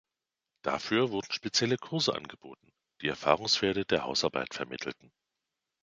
Dafür wurden spezielle Kurse angeboten, die Erfahrungswerte der Hausarbeit vermittelten.